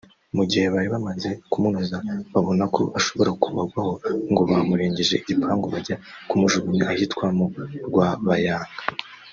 Mu gihe bari bamaze kumunoza babona ko ashobora kubagwaho ngo bamurengeje igipangu bajya kumujugunya ahitwa mu Rwabayanga